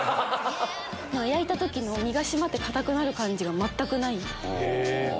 焼いた時の身が締まって硬くなる感じが全くない。